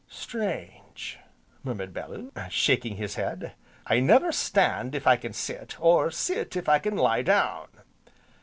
"Strange!" murmured Bellew, shaking his head, "I never stand if I can sit, or sit if I can lie down."